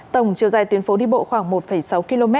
tổng chiều dài tuyến phố đi bộ khoảng một sáu km